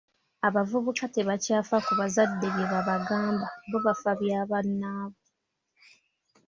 Abavubuka tebakyafa ku bazadde bye babagamba bo bafa bya ba bannaabwe.